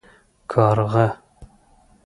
🐦⬛ کارغه